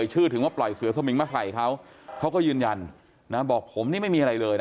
หมอผีพื้นบ้านคนนี้เขาก็ให้นิรากมั้ยมาถูอ